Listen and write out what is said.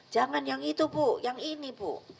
jangan yang itu bu yang ini bu